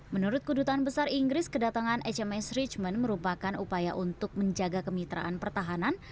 menurut kudutan besar inggris kedatangan hms richmond merupakan upaya untuk menjaga kemitraan pertahanan